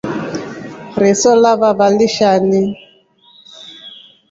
Riso lava lishani.